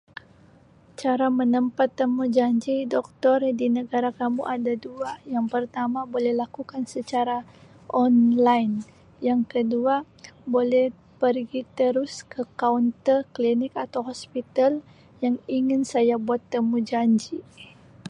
"Cara menempah temujanji Doktor di negara kamu ada dua yang pertama boleh lakukan secara ""online"" yang kedua boleh pergi terus ke kaunter klinik atau hospital yang ingin saya buat temujanji. "